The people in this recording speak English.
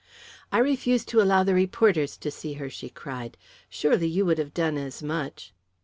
"I refused to allow the reporters to see her!" she cried. "Surely, you would have done as much!"